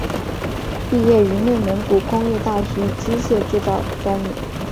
毕业于内蒙古工业大学机械制造专业。